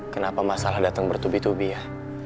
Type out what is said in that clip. kenapa masalah datang bertubi tubi ya